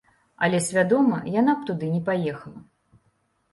Але свядома яна б туды не паехала.